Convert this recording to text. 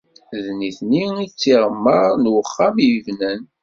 D nutni i d tiɣemmar n uxxam i yebnan.